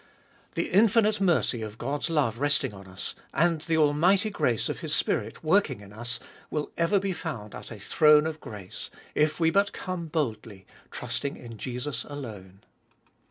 The infinite mercy of God's love resting on us, and the almighty grace of His Spirit working in us, will ever be found at a throne of grace, if we but come boldly, trusting in Jesus alone.